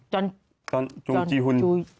จนจูยุจีฮุน